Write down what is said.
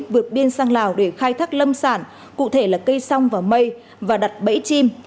vượt biên sang lào để khai thác lâm sản cụ thể là cây song và mây và đặt bẫy chim